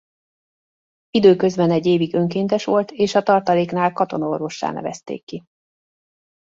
Időközben egy évig önkéntes volt és a tartaléknál katona-orvossá nevezték ki.